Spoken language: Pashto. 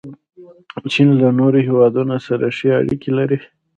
چین له نورو هیوادونو سره ښې اړیکې لري.